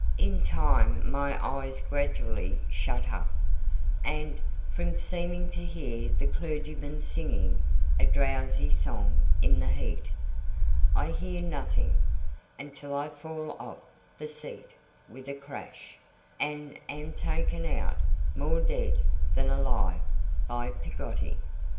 In time my eyes gradually shut up; and, from seeming to hear the clergyman singing a drowsy song in the heat, I hear nothing, until I fall off the seat with a crash, and am taken out, more dead than alive, by Peggotty.